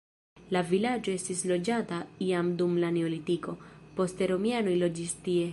La vilaĝo estis loĝata jam dum la neolitiko, poste romianoj loĝis tie.